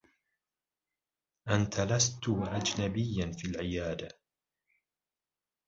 أنت لست أجنبيّا في العيادة.